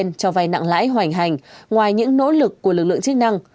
đối tượng cho vay nặng lãi hoành hành ngoài những nỗ lực của lực lượng chức năng